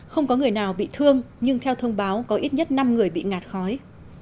không có người nào bị thương nhưng theo thông báo có ít nhất năm người bị ngạt khói